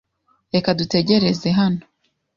Reka dutegereze hano.